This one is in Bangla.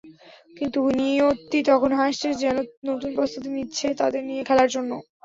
কিন্তু নিয়তি তখন হাসছে, যেন নতুন প্রস্তুতি নিচ্ছে তাদের নিয়ে খেলার জন্য।